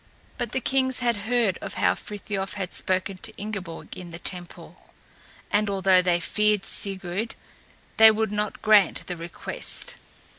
But the kings had heard of how Frithiof had spoken to Ingeborg in the temple, and although they feared Sigurd they would not grant the request.